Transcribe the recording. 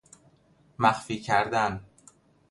مخفی کردن